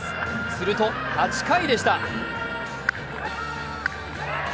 すると、８回でした。